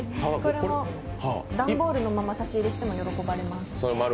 段ボールのまま差し入れしても喜ばれます。